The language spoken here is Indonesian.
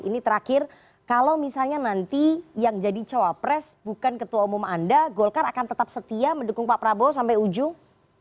ini terakhir kalau misalnya nanti yang jadi cawapres bukan ketua umum anda golkar akan tetap setia mendukung pak prabowo sampai ujung